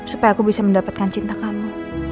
supaya aku bisa mendapatkan cinta kamu